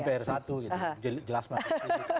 mpr satu gitu jelas banget